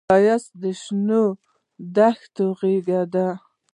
ښایست د شنې دښتې غږ دی